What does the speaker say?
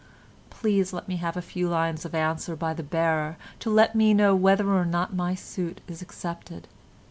Please let me have a few lines of answer by the bearer to let me know whether or not my suit is accepted.